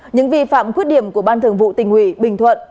những vi phạm quyết điểm của ban thường vụ tỉnh ủy tỉnh bình thuận